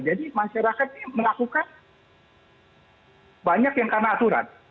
jadi masyarakat ini melakukan banyak yang karena aturan